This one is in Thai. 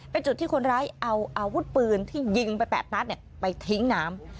เป็นจุดที่คนร้ายเอาอาวุธปืนที่ยิงไป๘นัดไปทิ้งน้ำ